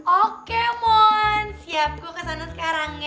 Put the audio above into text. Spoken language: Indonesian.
oke mon siap gue kesana sekarang ya